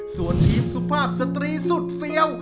ส่วนทีมสุภาพสตรีสุดเฟี้ยว